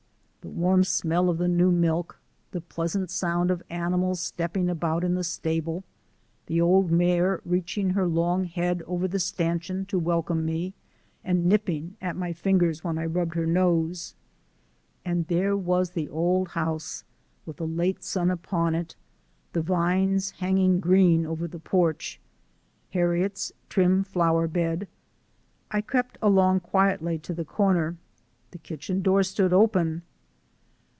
The warm smell of the new milk, the pleasant sound of animals stepping about in the stable, the old mare reaching her long head over the stanchion to welcome me, and nipping at my fingers when I rubbed her nose And there was the old house with the late sun upon it, the vines hanging green over the porch, Harriet's trim flower bed I crept along quietly to the corner. The kitchen door stood open.